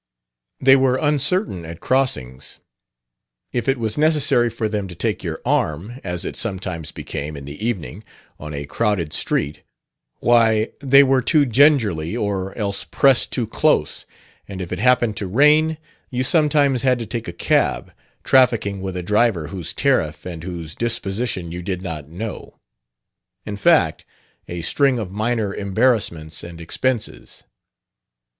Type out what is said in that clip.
They were uncertain at crossings; if it was necessary for them to take your arm, as it sometimes became, in the evening, on a crowded street, why, they were too gingerly or else pressed too close; and if it happened to rain, you sometimes had to take a cab, trafficking with a driver whose tariff and whose disposition you did not know: in fact, a string of minor embarrassments and expenses....